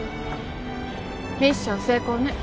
ミッション成功ね。